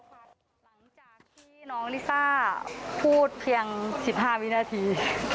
หลังจากที่น้องลิซ่าพูดเพียง๑๕วินาที